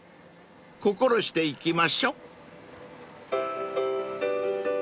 ［心して行きましょ］